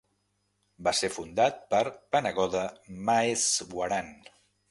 Va ser fundat per Panagoda Maheswaran.